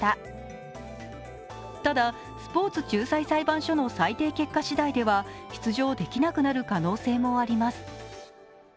ただ、スポーツ仲裁裁判所の裁定結果次第では出場できなくなる可能性もあります。